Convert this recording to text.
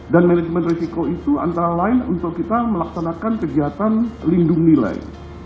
dan manajemen risiko itu antara lain untuk kita melaksanakan kegiatan lindung nilai